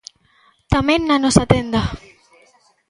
Tamén, na nosa tenda.